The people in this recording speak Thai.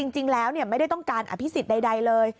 จริงแล้วไม่ได้ต้องการอภิษฎใดเลย